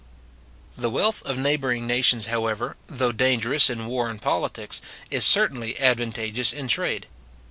The wealth of neighbouring nations, however, though dangerous in war and politics, is certainly advantageous in trade.